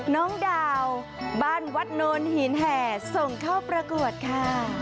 น้องดาวบ้านวัดโนนหินแห่ส่งเข้าประกวดค่ะ